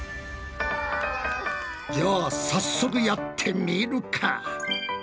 じゃあ早速やってみるか！